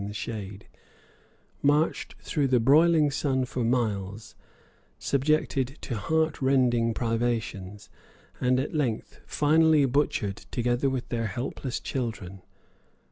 in the shade, marched through the broiling sun for miles, subjected to heart rending privations, and at length finally butchered, together with their helpless children.